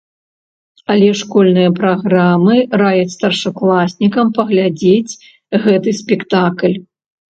Але школьныя праграмы раяць старшакласнікам паглядзець гэты спектакль.